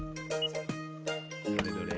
どれどれ？